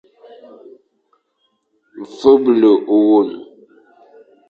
Feble ôwôn.